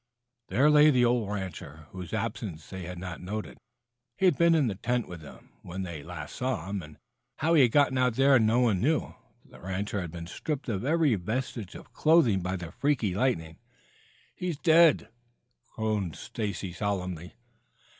There lay the old rancher, whose absence they had not noted. He had been in the tent with them when they last saw him and how he had gotten out there none knew. The rancher had been stripped of every vestige of clothing by the freaky lightning. "He's dead," crooned Stacy solemnly.